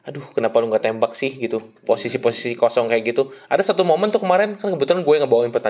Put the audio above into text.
dari anak anak prawira